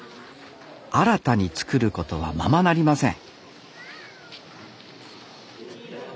新たに作ることはままなりません